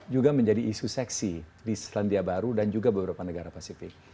juga menjadi isu seksi di selandia baru dan juga beberapa negara pasifik